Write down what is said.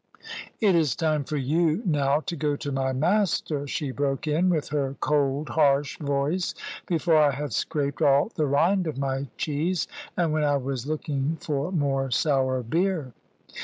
"It is time for you now to go to my master," she broke in with her cold harsh voice, before I had scraped all the rind of my cheese, and when I was looking for more sour beer.